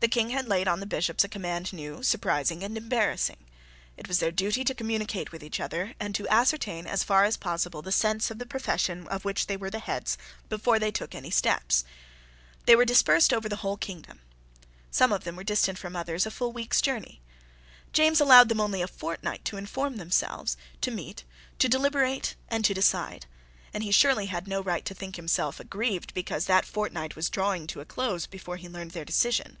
The King had laid on the Bishops a command new, surprising, and embarrassing. It was their duty to communicate with each other, and to ascertain as far as possible the sense of the profession of which they were the heads before they took any step. They were dispersed over the whole kingdom. Some of them were distant from others a full week's journey. James allowed them only a fortnight to inform themselves, to meet, to deliberate, and to decide; and he surely had no right to think himself aggrieved because that fortnight was drawing to a close before he learned their decision.